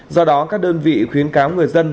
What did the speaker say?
do đó các đơn vị khuyến cáo người dân